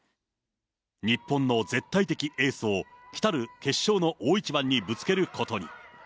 日本の絶対的エースを、きたる決勝の大一番にぶつけることに。